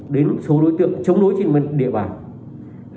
đến số đối tượng chống đối trên địa bàn